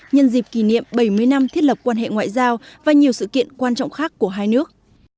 nhân dịp kỷ niệm bảy mươi năm thiết lập quan hệ ngoại giao và nhiều sự kiện quan trọng khác của hai nước